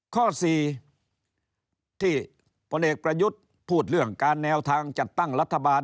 ข้อ๔ที่พลเอกประยุทธ์พูดเรื่องการแนวทางจัดตั้งรัฐบาล